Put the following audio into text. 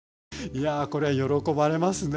いやこれは喜ばれますね。